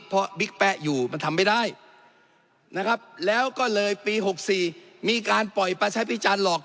เพราะบิ๊กแป๊ะอยู่มันทำไม่ได้นะครับแล้วก็เลยปี๖๔มีการปล่อยประชาพิจารณหลอก